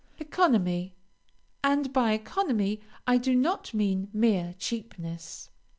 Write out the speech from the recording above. ECONOMY And by economy I do not mean mere cheapness.